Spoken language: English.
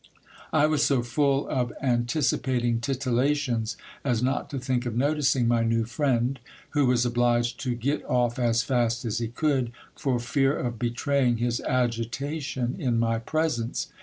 I was so full of anticipating titillations, as not to think of noticing my new friend, who was obliged to get off as fast as he could, for fear of betraying his agitation in my presence.